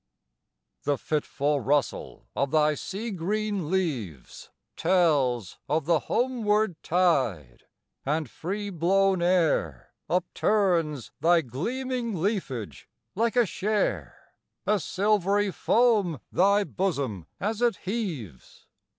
The fitful rustle of thy sea green leaves Tells of the homeward tide, and free blown air Upturns thy gleaming leafage like a share, A silvery foam thy bosom, as it heaves!